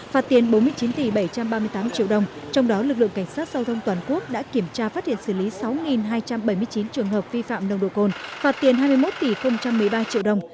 phạt tiền bốn mươi chín tỷ bảy trăm ba mươi tám triệu đồng trong đó lực lượng cảnh sát giao thông toàn quốc đã kiểm tra phát hiện xử lý sáu hai trăm bảy mươi chín trường hợp vi phạm nồng độ cồn phạt tiền hai mươi một tỷ một mươi ba triệu đồng